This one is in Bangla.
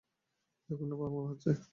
জঘন্য পাওয়ার মনে হচ্ছে।